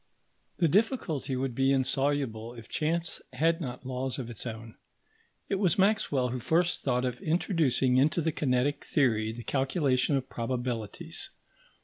The difficulty would be insoluble if chance had not laws of its own. It was Maxwell who first thought of introducing into the kinetic theory the calculation of probabilities.